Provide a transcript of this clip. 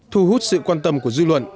thu hút sự quan tâm của dư luận